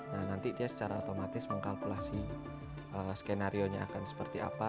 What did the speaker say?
nah nanti dia secara otomatis mengkalkulasi skenario nya akan seperti apa